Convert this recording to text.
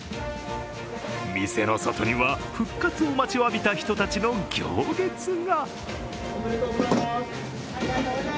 店の外には復活を待ちわびた人たちの行列が。